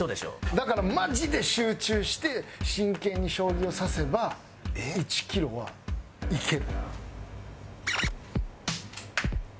だからマジで集中して真剣に将棋を指せば１キロはいける。